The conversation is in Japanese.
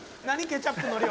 ケチャップの量。